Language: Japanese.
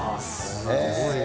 すごいな。